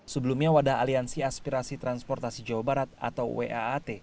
sebelumnya wadah aliansi aspirasi transportasi jawa barat atau waat